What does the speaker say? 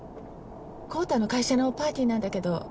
昂太の会社のパーティーなんだけど。